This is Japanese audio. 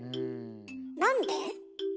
なんで？